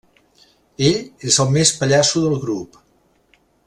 Ell és el més pallasso del grup.